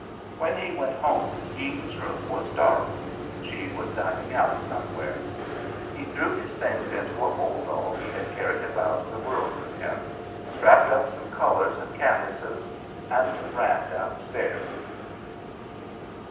When he went home, Eden's room was dark; she was dining out somewhere. He threw his things into a hold all he had carried about the world with him, strapped up some colours and canvases, and ran downstairs.